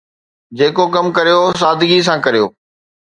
جيڪو ڪم ڪريو، سادگيءَ سان ڪريو